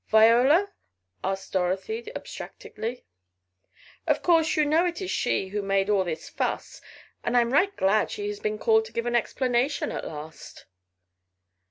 "Viola?" echoed Dorothy abstractedly. "Of course you know it is she who made all this fuss, and I'm right glad she has been called to give an explanation at last."